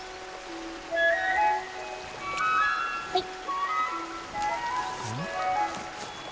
はい。